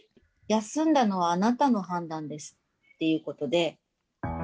休んだのはあなたの判断ですっていうことで。